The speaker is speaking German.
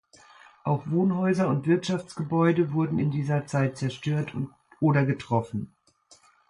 Auch Wohnhäuser und Wirtschaftsgebäude wurden in dieser Zeit zerstört oder getroffen.